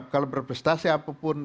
kalau berprestasi apapun